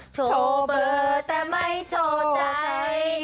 โชว์เบอร์แต่ไม่โชว์ใจ